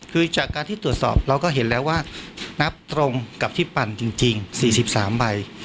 คือจากการที่ตรวจสอบเราก็เห็นแล้วว่านับตรงกับที่ปั่นจริง๔๓ใบ